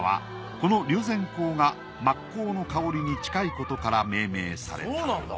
この龍涎香が抹香の香りに近いことから命名された。